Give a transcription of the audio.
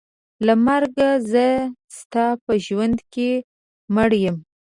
له مرګه زه چې ستا په ژوند کې مړه یم.